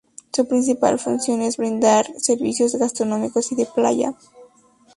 Su principal función es brindar servicios gastronómicos y de playa.